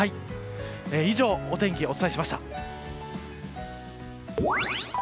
以上、お天気お伝えしました。